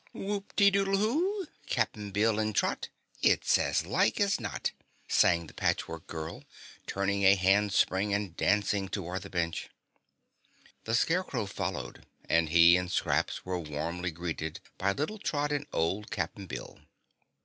"Whoop ti doodle who? Cap'n Bill and Trot It is as like as not!" sang the Patchwork Girl, turning a handspring and dancing toward the bench. The Scarecrow followed, and he and Scraps were warmly greeted by little Trot and old Cap'n Bill.